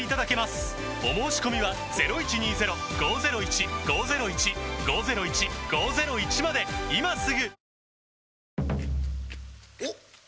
お申込みは今すぐ！